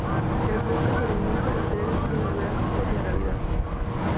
El bucle se reinicia y Tree decide volver a su propia realidad.